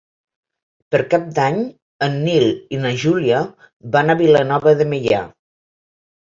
Per Cap d'Any en Nil i na Júlia van a Vilanova de Meià.